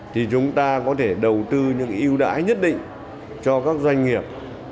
thì chúng ta có thể đầu tư những ưu đãi nhất định cho các doanh nghiệp